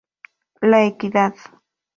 La Equidad.